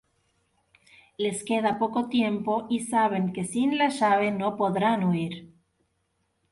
Les queda poco tiempo y saben que sin la llave no podrán huir.